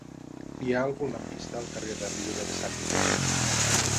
Hi ha algun lampista al carrer de la Riera de Sant Miquel?